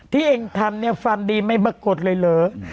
ที่เองทำเนี่ยฟันดีไม่มากดเลยเหรอ